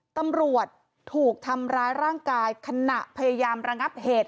ตำรวจถูกทำร้ายร่างกายขณะพยายามระงับเหตุ